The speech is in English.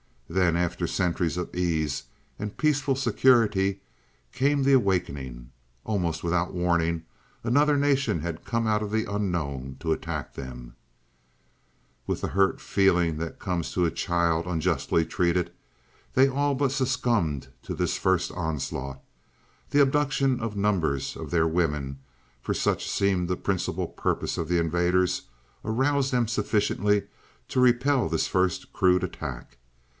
"Then, after centuries of ease and peaceful security, came the awakening. Almost without warning another nation had come out of the unknown to attack them. "With the hurt feeling that comes to a child unjustly treated, they all but succumbed to this first onslaught. The abduction of numbers of their women, for such seemed the principal purpose of the invaders, aroused them sufficiently to repel this first crude attack.